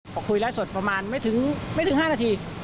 พอคุยไลฟ์สดประมาณไม่ถึง๕นาที